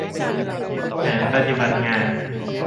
แผนปฏิบัติงาน